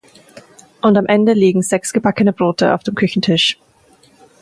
Und am Ende liegen sechs gebackene Brote auf dem Küchentisch…